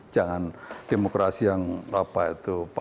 jangan demokrasi yang apa itu